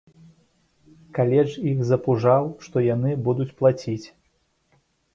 Каледж іх запужаў, што яны будуць плаціць.